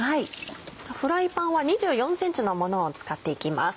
フライパンは２４ｃｍのものを使っていきます。